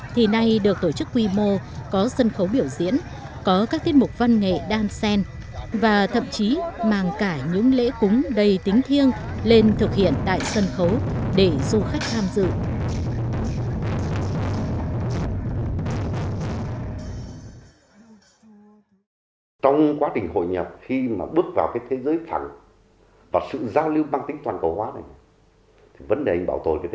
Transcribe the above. thì nay được tổ chức quy mô có sân khấu biểu diễn có các tiết mục văn hóa quần cư của đồng bào các dân tộc